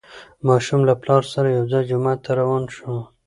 ماشوم له پلار سره یو ځای جومات ته روان شو